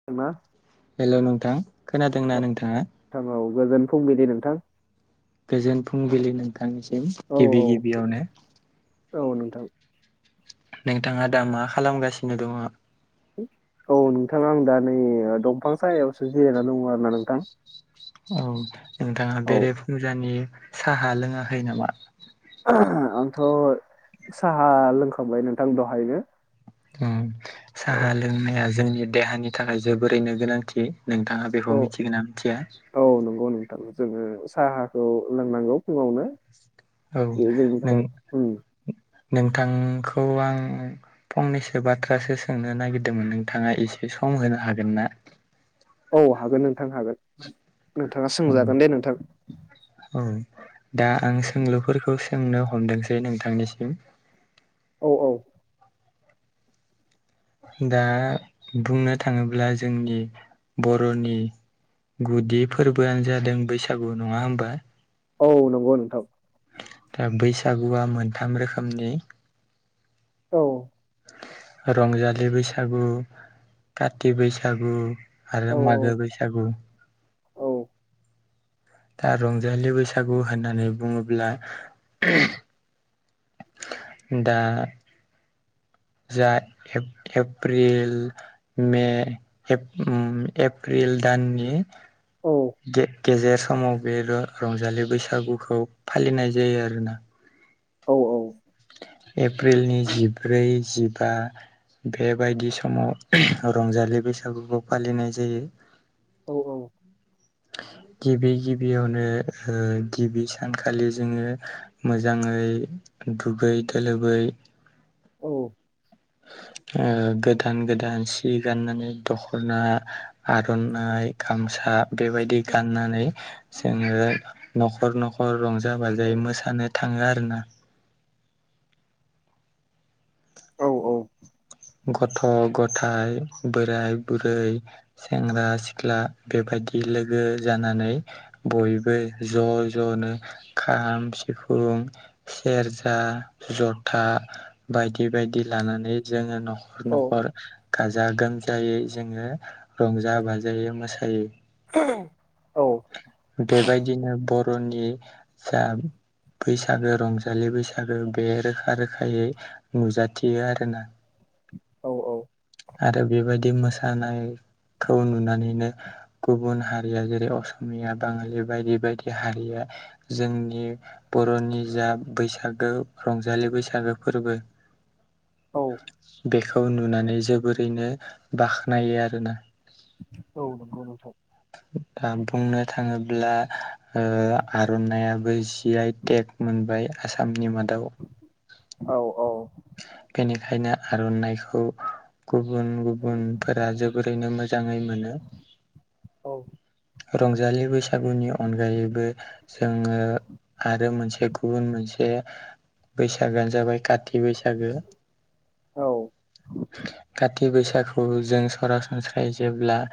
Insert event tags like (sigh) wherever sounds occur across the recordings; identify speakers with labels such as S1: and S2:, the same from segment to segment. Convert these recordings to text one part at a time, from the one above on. S1: (unintelligible)
S2: हेल' नोंथां खोनादों
S1: औ
S2: ना नोंथाङा?
S1: नोंथां औ गोजोन फंबिलि नोंथां।
S2: गोजोन फुंबिलि नोंथांनिसिम
S1: औ
S2: गिबि
S1: औ
S2: गिबियावनो।
S1: औ नोंथां।
S2: नोंथाङा दा मा खालामगासिनो दङ?
S1: औ नोंथां आं दा नै दंफां सायावसो जिरायनानै दङ आरो ना नोंथां।
S2: औ नोंथाङा
S1: औ
S2: बेरे फुंजानि साहा लोङाखै नामा?
S1: आंथ' साहा लोंखांबाय नोंथां दहायनो। औ
S2: साहा लोंनाया जोंनि देहानि थाखाय जोबोरैनो गोनांथि नोंथाङा
S1: औ
S2: बेखौ मिथिगोन ना मिथिया?
S1: औ नंगौ नोंथां जोंङो साहाखौ लोंनांगौ फुङावनो।
S2: औ नों
S1: (unintelligible)
S2: नोंथांखौ आं फंनैसो बाथ्रासो सोंनो नागिरदोंमोन नोंथाङा एसे सम होनो हागोन ना?
S1: औ हागोन नोंथां हागोन नोंथाङा सोंजागोन दे नोंथां।
S2: औ दा आं सोंलुफोरखौ सोंनो हमदोंसै नोंथांनिसिम।
S1: औ औ
S2: दा बुंनो थाङोब्ला जोंनि बर'नि गुदि फोरबोआनो जादों बैसागु नङा होनोमबा
S1: औ नंगौ नोंथां‌।
S2: दा बैसागुआ मोनथाम रोखोमनि
S1: औ
S2: रंजालि बैसागु काथि बैसागु आरो
S1: औ
S2: मागो बैसागु
S1: औ
S2: दा रंजालि बैसागु होननानै बुङोब्ला दा जा एफ-एप्रिल मे एफ उम एप्रिल दाननि
S1: औ
S2: गे-गेजेर समाव बे र-रंजालि बैसागुखौ फालिनाय जायो आरोना।
S1: औ औ
S2: एप्रिलनि जिब्रै जिबा बेबायदि समाव रंजालि बैसागुखौ फालिनाय जायो।
S1: औ औ
S2: गिबि गिबियावनो ओ गिबि सानखालि जोङो मोजाङै दुगै थोलोबै
S1: औ
S2: ओ गोदान गोदान सि गाननानै दख'ना आर'नाइ गामसा बेबायदि गाननानै जोङो न'खर न'खर रंजा बाजायै मोसानो थाङो आरोना।
S1: औ औ
S2: गथ' गथाय बोराय बुरै सेंग्रा सिख्ला बेबायदि लोगो जानानै बयबो ज' ज'नो खाम सिफुं सेरजा जथा बायदि बायदि लानानै जोङो न'खर
S1: औ
S2: न'खर गाजा गोमजायै जोङो रंजा बाजायै मोसायो।
S1: औ
S2: बेबायदिनो बर'नि जा बैसागो रंजालि बैसागो बे रोखा रोखायै नुजाथियो आरोना।
S1: औ औ
S2: आरो बेबायदि मोसानायखौ नुनानैनो गुबुन हारिया जेरै असमिया बाङालि बायदि बायदि हारिया जोंनि बर'नि जा बैसागो रंजालि बैसागो फोरबो
S1: औ
S2: बेखौ नुनानै जोबोरैनो बाख्नायो आरोना।
S1: औ नंगौ नोंथां
S2: दा बुंनो थाङोब्ला ओ आर'नायइाबो जि आइ टेक मोनबाय आसामनि मादाव
S1: औ औ
S2: बेनिखायनो आर'नाइखौ गुबुन गु बुनफोरा जोबोरैनो मोजाङै मोनो।
S1: औ
S2: रंजालि बैसागुनि अनगायैबो जोङो आरो मोनसे गुबुन मोनसे बैसागुआनो जाबाय का थि बैसागो
S1: औ
S2: काति बैसागुखौ जों सरासनस्रायै जेब्ला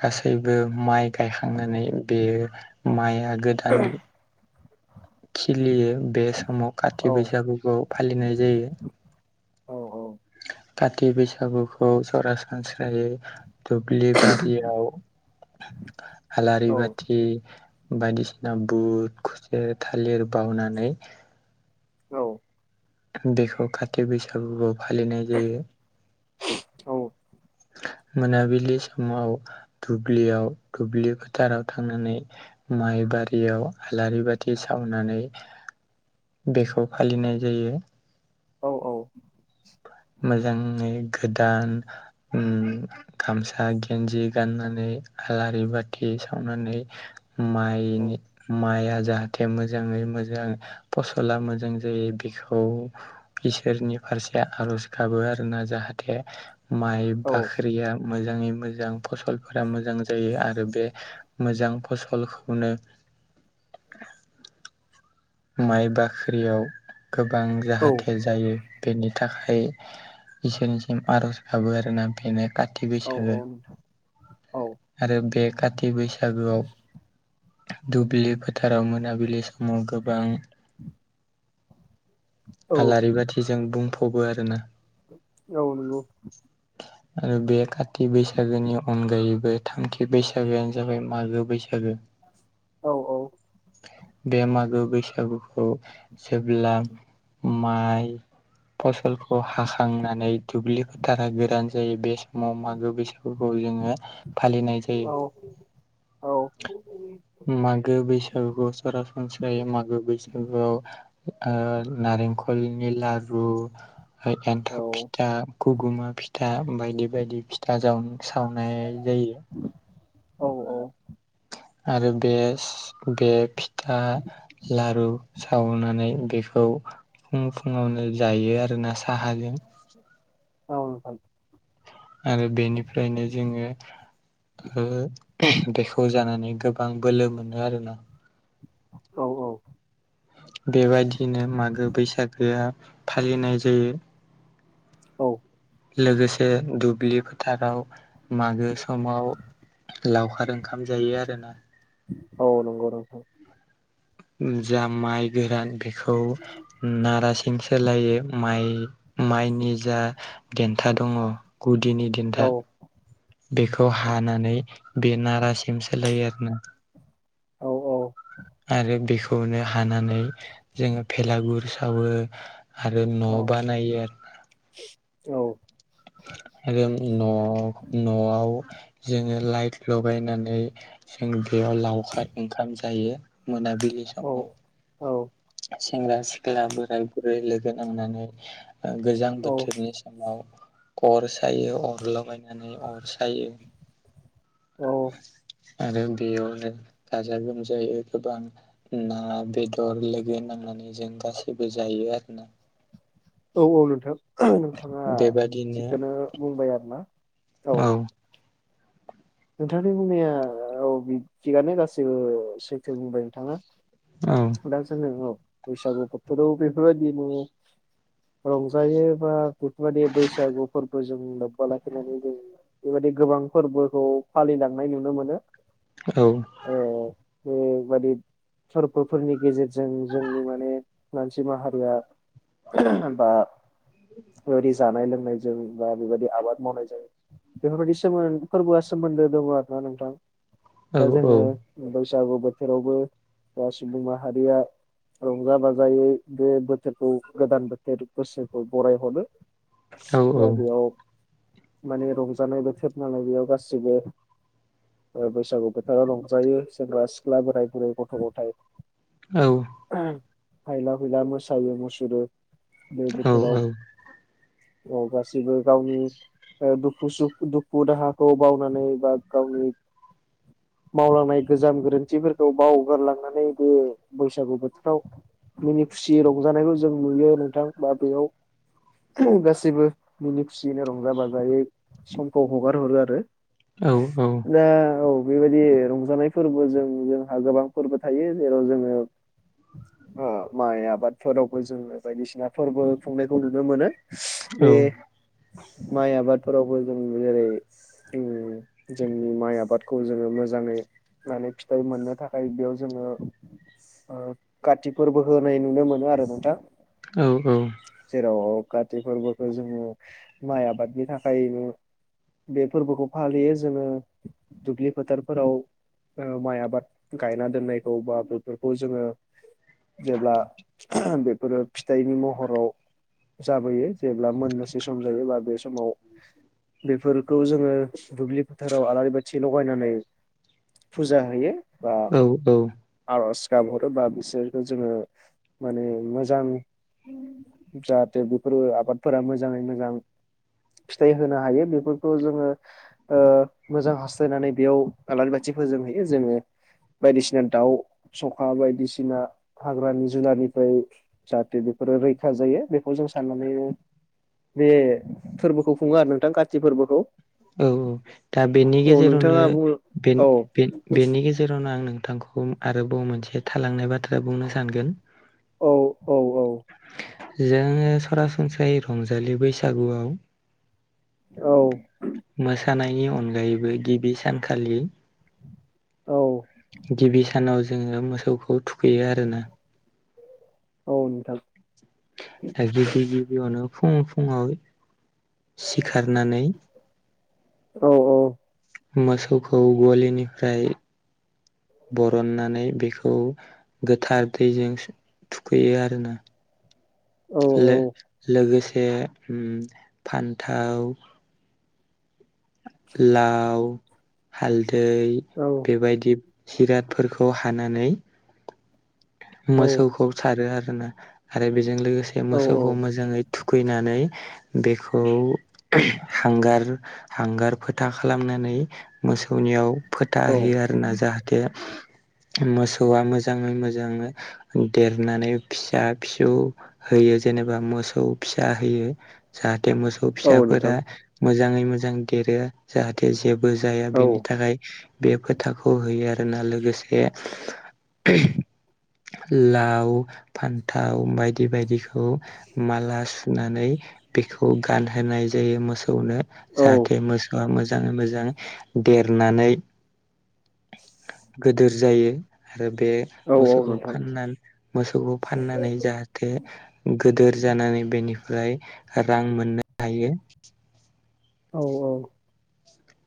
S2: गासैबो माइ गायखांनानै बेयो माइआ गोदान खिलियो बे समाव
S1: औ
S2: काथि बैसागुखौ फालिनाय जायो।
S1: औ औ
S2: काति बैसागुखौ सरासनस्रायै दुब्लि बारियाव आलारि
S1: औ
S2: बाथि बायदिसिना बुट खुसेर थालिर बावनानै
S1: औ
S2: बेखौ काथि बैसागुआव फालिनाय जायो। मोनाबिलि समाव दुब्लियाव दुब्लि फोथाराव थांनानै माइ बारियाव आलारि बाथि सावनानै बेखौ फालिनाय जायो।
S1: औ औ
S2: मोजाङै गोदान ओम गामसा गेन्जि गाननानै आलारि बाथि सावनानै माइनि माइ आ जा थे मोजाङै मोजां फसला मोजां जायो बेखौ इसोरनि फारसे आर'ज गाबो आरोना जाहाथे माइ बाख्रिया मोजाङै मोजां फसलफोरा मोजां जायो आरो बे मोजां फसलखौनो माइ बाख्रियाव गोबां जाहाथे जायो बेनि थाखाय इसोरनिसिम आर'ज गाबो आरोना बेनो काति बैसागो
S1: औ नोंथां औ औ
S2: आरो बे काति बैसागोआव दुब्लि फोथाराव मोनाबिलि समाव गोबां
S1: (inaudible)
S2: आलारि बाथिजों बुंफबो आरोना।
S1: औ नंगौ।
S2: (inaudible) आरो बे काति बैसागोनि अनगायैबो थामथि बैसागोआनो जाबाय मागो बैसागो (inaudible)
S1: औ औ
S2: बे मागो बैसागुखौ जेब्ला माइ फसलखौ हाखांनानै दुब्लि फोथारा गोरान जायो बे समाव मागो बैसागु फोरखौ जोङो फालिनाय जायो। मागो बैसागुखौ सरासनस्रायै मागो बैसागुआव ओ नारेंखलनि लारु एन्थाब फिथा खगुमा फिथा बायदि बायदि फिथाव सावनाय जायो।
S1: औ औ
S2: आरो बे बे फिथा लारु सावनानै बेखौ फुं फुङावनो जायो आरोना साहाजों
S1: औ
S2: आरो बेनिफ्रायनो जोङो ओ बेखौ जानानै गोबां बोलो मोनो आरोना।
S1: औ औ।
S2: बेबायदिनो मागो बैसागोआ फालिनाय जायो।
S1: औ।
S2: लोगोसे दुब्लि फोथाराव मागो समाव लावखार ओंखाम जायो आरोना।
S1: औ नंगौ नंगौ।
S2: जा माइ गोरान बेखौ नारासिं सोलायो माइ माइनि जा देन्था दङ गुदिनि
S1: औ
S2: देन्था बेखौ हानानै बे नारासिम सोलायो आरो ना।
S1: औ
S2: आरो बेखौ बुनो हानानै जोङो भेलागुर सावो आरो न' बानायो आरो। आरो न' न'आव जोङो लाइट लगायनानै जों बेयाव लावखार ओंखाम जायो मोनाबिलि समाव।
S1: औ
S2: सेंग्रा सिख्ला बोराय बुरै लोगो नांनानै ओ गोजां
S1: औ
S2: बोथोरनि समाव अर सायो अर लगायनानै अर सायो।
S1: औ
S2: आरो बेयावनो गाजा गोमजायै गोबां ना बेदर लोगो नांनानै जों गासैबो जायो आरो ना।
S1: औ औ नोंथां नोंथाङा
S2: बेबादिनो
S1: थिगखौनो बुंबाय आरोना।
S2: औ।
S1: नोंथांनि बुंनाया औ बि थिगानो गासैबो सैथो बुंबाय नोंथाङा।
S2: औ
S1: दा जोङो बैसागु बोथोराव बेफोरबायदि नों रंजायो बा बेफोर बादि बैसागु फोरबो जों लोब्बा लाखिनानै जों बेबायादि गोबां फोरबोखौ फालिलांनाय नुनो मोनो।
S2: औ।
S1: औ बेबादि फोरबोफोरनि गेजेरजों जोंनि माने मानसि माहारिआ बा बेबायदि जानाय लोंनायजों बा बेबायदि आबाद मावनायजों बेफोरबायदि सोमोन फोरबोआ सोमोन्दो दङ आरोना नोंथां
S2: औ
S1: दा जोङो बैसागु बोथोरावबो दा सुबुंं माहारिया रंजा बाजायै बे बोथोरखौ गोदान बोथोर बोसोरखौ बरायहरो।
S2: औ
S1: दा बेयाव माने रंजानाय बोथोर नालाय बेयाव गासिबो ओ बैसागु बोथोराव रंजायो सेंग्रा सिख्ला बोराय बुरै गथ' गथाय
S2: औ।
S1: हायला हुयला मोसायो मुसुरो बे
S2: औ
S1: बोथोराव औ गासिबो गावनि ओ दुखु सुखु दुखु दाहा खौ बावनानै बा गावनि मावलांनाय गोजाम गोरोन्थिफोरखौ बावगारलांनानै बे बैसागु बोथोराव मिनि खुसियै रंजानायखौ जों नुयो नोंथां बा बेयाव गासैबो मिनि खुसियैनो रंजा बाजायै समखौ हगार हरो आरो।
S2: औ औ।
S1: दा औ बेबायदि रंजानाय फोरबोजों जोंहा गोबां फोरबो थायो जेराव जोङो
S2: (unintelligible)
S1: ओ माइ आबादफोरावबो जोङो बायदिसिना फोरबो खुंनायखौ नुनो मोनो। बे माइ आबादफोरावबो जों जेरै जों जोंनि माइ आबादखौ जोङो मोजाङै माने फिथाइ मोननो थाखाय बेयाव जोङो काति फोरबो होनाय नुनो मोनो आरो नोंथां।
S2: औ औ।
S1: जेराव काति फोरबोखौ जोङो माइ आबादनि थाखायनो बे फोरबोखौ फालियो जोङो दुब्लि फोथारफोराव ओ माइ आबाद गायना दोननायखौ बा बेफोरखौ जोङो जेब्ला बेफोरो फिथाइनि महराव जाबोयो जेब्ला मोननोसै सम जायोबा बे समाव बेफोर खौ जोङो दुब्लि फोथाराव आलारि बाथि लगायनानै फुजा हैयो। बा
S2: औ औ
S1: आरज गाबहरो बा बिसोरखौ जोङो माने मोजां जाहाथे बेफोरो आबादफोरा मोजाङै मोजां फिथाइ होनो हायो बेफोर खौ जोङो ओ मोजां हास्थायनानै बेयाव आलारि बाथि फोजोंहैयो जोङो बायदिसिना दाउ सखा बायदिसिना हाग्रानि जुनारनिफ्राय जाहाथे बेफोरो रैखा जायो बेखौ जों साननानै बे फोरबोखौ खुङो आरो नोंथां काति फोरबोखौ
S2: औ औ दा बेनि
S1: औ
S2: गेजेरावनो
S1: नोंथाङा बुं
S2: बेनि
S1: औ
S2: बे बेनि गेजेरावनो आं नोंथांखौ आरोबाव मोनसे थालांनाय बाथ्रा बुंनो सानगोन
S1: औ औ औ
S2: जोङो सरासनस्रायै रंजालि बैसागुआव
S1: औ
S2: मोसानायनि अनगायैबो गिबि सानखालि
S1: औ
S2: गिबि सानाव जोङो मोसौखौ थुखैयो आरो ना
S1: औ नोंथा
S2: आरो गिबि गिबियावनो फुुं फुङाव सिखारनानै
S1: औ औ
S2: मोसौखौ गलिनिफ्राय बरननानै बेखौ गोथार दैजों थुखैयो आरो ना
S1: औ
S2: लो लोगोसे फान्थाव लाव हालदै
S1: औ
S2: बदि हिरादफोरखौ हानानै मोसौखौ सारो आरोन आरो बेजों लोगोसे
S1: औ
S2: मोसौखौ मोजाङै थुखैनानै बेखौ हांगार हांगार फोथा खालामनानै मोसौनियाव फोथा हैयो आरोना जाहाथे मोसौआ मोजाङै मोजाङै देरनानै फिसा फिसौ होयो जेनेबा मोसौ फिसा होयो जाहाथे मोसौ
S1: औ नोंथां
S2: फिसाफोरा मोजाङै मोजां देरो जाहाथे जेबो जाया
S1: औ
S2: बेनि थाखाय बे फोथाखौ होयो आरोना लोगोसे लाव फान्थाव बायदि बायदिखौ माला सुनानै बेखौ गानहोनाय जायो मोसौनो
S1: औ
S2: जाहाथे मोसौआ मोजाङै मोजां देरनानै गिदोर जायो आरो बे
S1: औ औ
S2: मोसौखौ
S1: नोंथां
S2: फाना मोसौखौ फाननानै जाहाथे गोदोर जानानै बेनिफ्राय रां मोननो हायो
S1: औ औ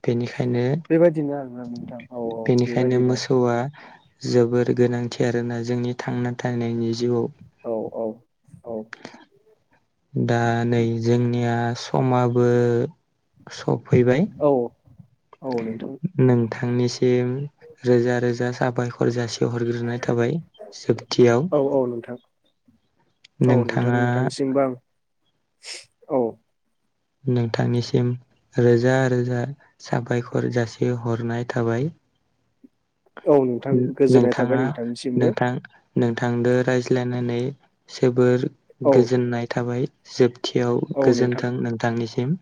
S2: बेनिखायनो
S1: बेबायदिनो आरो नोंथां औ औ
S2: बेनिखायनो
S1: बेबायदिनो
S2: मोसौआ जोबोर गोनांथि आरोना जोंनि थांना थानायनि जिउआव
S1: औ औ औ
S2: दा नै जोंनिया समाबो सफैबाय
S1: औ औ
S2: नोंथांनिसिम रोजा रोजा साबाय खर जासि हरग्रोनाय थाबाय जोबथियाव।
S1: औ औ नोंथां। औ नोंथां
S2: नोंथाङा
S1: (unintelligible) औ।
S2: नोंथांनिसिम रोजा रोजा साबायखर जासिहरनाय थाबाय।
S1: औ नोंथां गोजोननाय थाबाय
S2: नोंथाङा
S1: नोंथांनिसिमबो
S2: नोंथां नोंथांदो रायज्लायनानै जोबोर
S1: औ
S2: गोजोननाय थाबाय। जोबथियाव
S1: औ नोंथां
S2: गोजोन्थों नोंथांनिसिम।